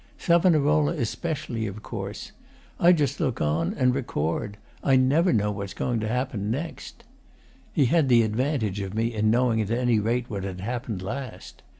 Savonarola especially, of course. I just look on and record. I never know what's going to happen next.' He had the advantage of me in knowing at any rate what had happened last.